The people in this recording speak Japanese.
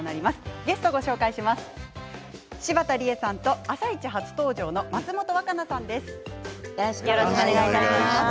ゲストは柴田理恵さんと「あさイチ」初登場の松本若菜さんです。